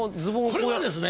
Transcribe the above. これはですね。